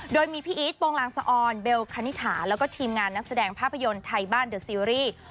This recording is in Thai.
โดยมีพี่อีทโปรงลางสะออนเบลคณิถาแล้วก็ทีมงานนักแสดงภาพยนตร์ไทยบ้านเดอร์ซีรีส์